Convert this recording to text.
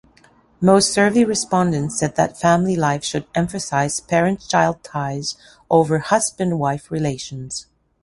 Most survey respondents said that family life should emphasize parent-child ties over husband-wife relations.